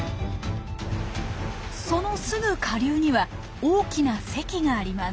そのすぐ下流には大きな堰があります。